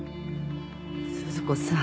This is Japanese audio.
鈴子さん。